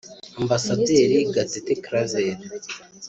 Ambasaderi Gatete Claver